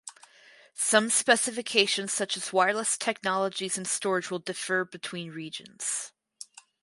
Some specifications such as wireless technologies and storage will differ between regions.